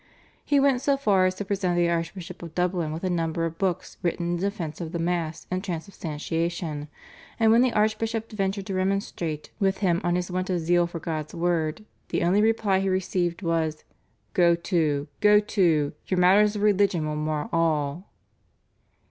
He went so far as to present the Archbishop of Dublin with a number of books written in defence of the Mass and Transubstantiation, and when the archbishop ventured to remonstrate with him on his want of zeal for God's word the only reply he received was, "Go to, go to, your matters of religion will mar all."